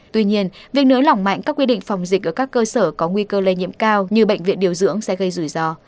tuy nhiên việc nới lỏng mạnh các quy định phòng dịch ở các cơ sở có nguy cơ lây nhiễm cao như bệnh viện điều dưỡng sẽ gây rủi ro